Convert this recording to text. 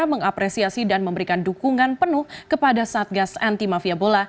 mengapresiasi dan memberikan dukungan penuh kepada satgas anti mafia bola